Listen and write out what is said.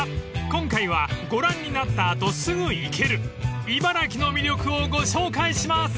今回はご覧になった後すぐ行ける茨城の魅力をご紹介します］